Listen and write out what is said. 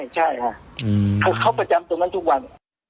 ใช่ค่ะคือเขาประจำตรงนั้นทุกวัน